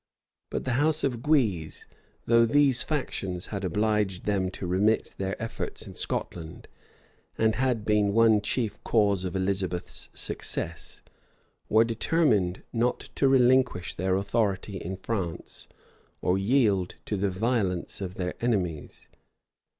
But the house of Guise, though these factions had obliged them to remit their efforts in Scotland, and had been one chief cause of Elizabeth's success, were determined not to relinquish their authority in France, or yield to the violence of their enemies.